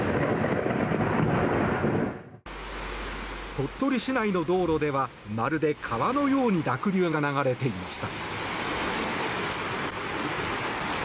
鳥取市内の道路ではまるで川のように濁流が流れていました。